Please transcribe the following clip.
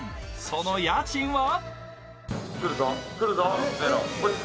その家賃は？